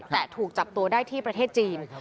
แต่ถูกจับตัวได้ที่ประเทศจีน